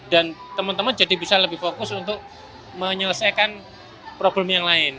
dan teman teman jadi bisa lebih fokus untuk menyelesaikan problem yang lain